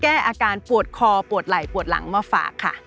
แก้อาการปวดคอปวดไหล่ปวดหลังมาฝากค่ะ